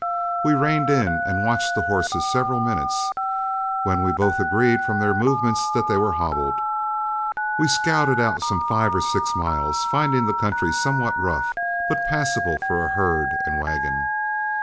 We reined in and watched the horses several minutes, when we both agreed from their movements that they were hobbled. We scouted out some five or six miles, finding the country somewhat rough, but passable for a herd and wagon.